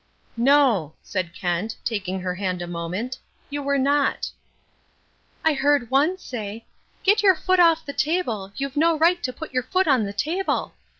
"No," said Kent, taking her hand a moment, "you were not." "I heard one say, 'Get your foot off the table, you've no right to put your foot on the table.'